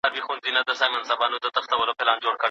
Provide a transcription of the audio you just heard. حمزه بابا د پښتو غزل پلار ګڼل کېږي.